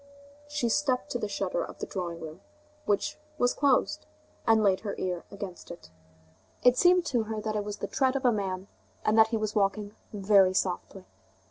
She stepped to the shutter of the drawing room, which was closed, and laid her ear against it. It seemed to her that it was the tread of a man, and that he was walking very softly.